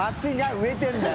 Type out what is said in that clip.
植えてるんだよ。